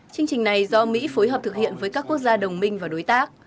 chương trình này do mỹ phối hợp thực hiện với các quốc gia đồng minh và đối tác